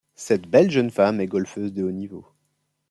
Cette belle jeune femme est golfeuse de haut niveau.